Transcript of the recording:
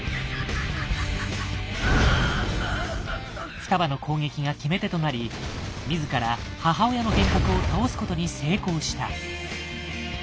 双葉の攻撃が決め手となり自ら母親の幻覚を倒すことに成功した。